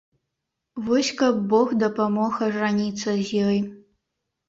Вось каб бог дапамог ажаніцца з ёй!